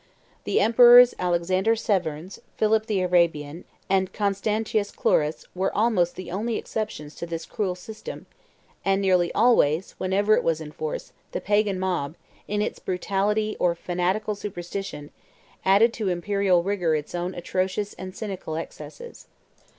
The Emperors Alexander Severns, Philip the Arabian, and Constantius Chlorus were almost the only exceptions to this cruel system; and nearly always, wherever it was in force, the Pagan mob, in its brutality or fanatical superstition, added to imperial rigor its own atrocious and cynical excesses.